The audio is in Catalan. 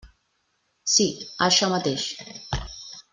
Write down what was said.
Sí, això mateix.